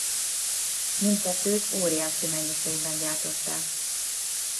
Mindkettőt óriási mennyiségben gyártották.